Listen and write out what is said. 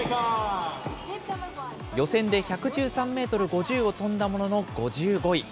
予選で１１３メートル５０を飛んだものの５５位。